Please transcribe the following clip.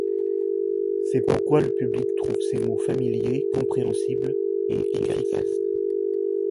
C'est pourquoi le public trouve ses mots familiers, compréhensibles et efficaces.